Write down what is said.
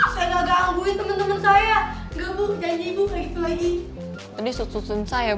saya ga gangguin temen temen saya